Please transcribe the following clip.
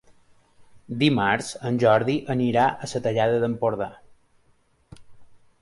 Dimarts en Jordi anirà a la Tallada d'Empordà.